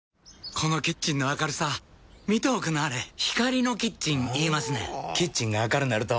このキッチンの明るさ見ておくんなはれ光のキッチン言いますねんほぉキッチンが明るなると・・・